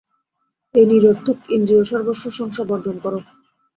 এই নিরর্থক ইন্দ্রিয়সর্বস্ব সংসার বর্জন কর।